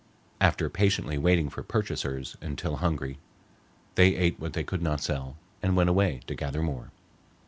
After patiently waiting for purchasers until hungry, they ate what they could not sell, and went away to gather more.